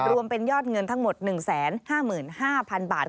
รวมเป็นยอดเงินทั้งหมด๑๕๕๐๐๐บาท